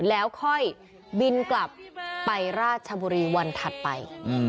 แล้วค่อยบินกลับไปราชบุรีวันถัดไป